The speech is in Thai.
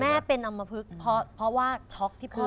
แม่เป็นอำมะพึกเพราะว่าช็อกที่พ่อติดคุก